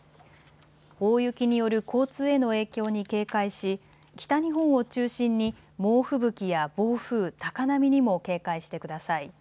大雪による交通への影響に警戒し北日本を中心に猛吹雪や暴風、高波にも警戒してください。